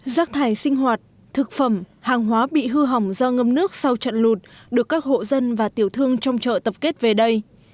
rác thải sinh hoạt thực phẩm hàng hóa bị hư hỏng do ngâm nước sau trận lụt được các hộ dân và tiểu thương trong chợ tập kết về đây